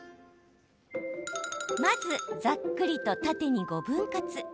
まず、ざっくりと縦に５分割。